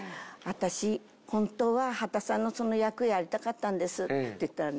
「私本当は旗さんのその役やりたかったんです」って言ったらね